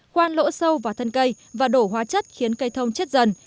khoan lỗ sâu vào thân cây và đổ hóa chất khiến cây thông chết dần